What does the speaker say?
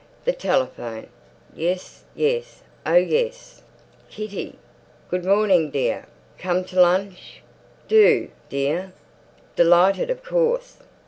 The telephone. "Yes, yes; oh yes. Kitty? Good morning, dear. Come to lunch? Do, dear. Delighted of course.